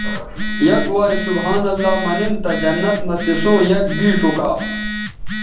یک وارے سبحان اللہ منن تہ جنت مہ تسوں یک بیڇ اوکا